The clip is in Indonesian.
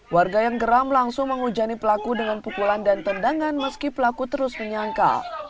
warga yang geram langsung menghujani pelaku dengan pukulan dan tendangan meski pelaku terus menyangka